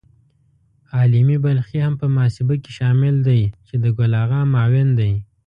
عالمي بلخي هم په محاسبه کې شامل دی چې د ګل آغا معاون دی.